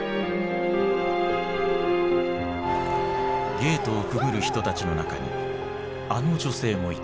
ゲートをくぐる人たちの中にあの女性もいた。